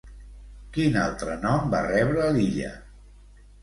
Quin altre nom va rebre l'illa?